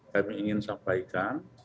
kami ingin sampaikan